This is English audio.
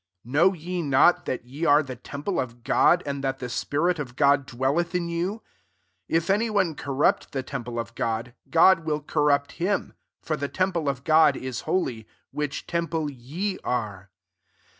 16 Know ye not, 'that ye are he temple of • God ; and thaf he spirit of God dwelleth in 'ou ? 17 If any one corrupt he temple ,of God, God will :orrupt him : for the temple of jrod is holy, which temfiie ye ire.